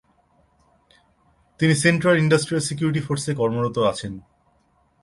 তিনি central industrial security ফোর্সে কর্মরত আছেন।